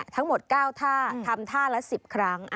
ทั้งหมด๙ท่าทำท่าละ๑๐ครั้ง